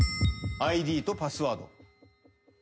ＩＤとパスワード。